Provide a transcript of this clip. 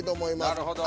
なるほど。